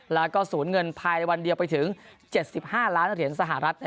แล้วก็สูญเงินภายในวันเดียวไปถึง๗๕ล้านเหรียญสหรัฐ